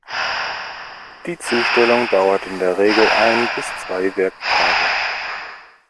Die Zustellung dauert in der Regel ein bis zwei Werktage.